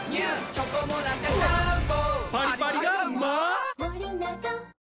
チョコモナカジャーンボパリパリがうまー！